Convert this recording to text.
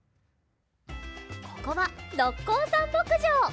ここはろっこうさんぼくじょう！